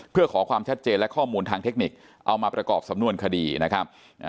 เพื่อขอความชัดเจนและข้อมูลทางเทคนิคเอามาประกอบสำนวนคดีนะครับ